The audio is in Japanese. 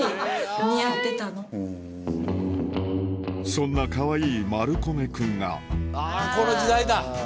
そんなかわいいマルコメ君があこの時代だ。